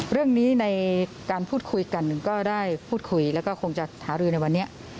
เรื่องนี้ในการพูดคุยกันก็ได้พูดคุยและว่าจะหารืนเว่านี้